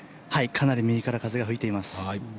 かなり右から風が吹いています。